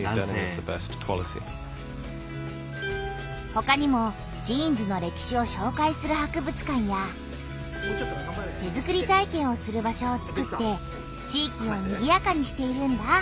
ほかにもジーンズの歴史をしょうかいする博物館や手作り体験をする場所をつくって地域をにぎやかにしているんだ。